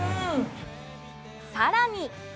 さらに！